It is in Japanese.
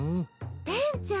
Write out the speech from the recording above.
テンちゃん